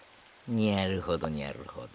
にゃるほどにゃるほど。